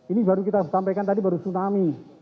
ini baru kita sampaikan tadi baru tsunami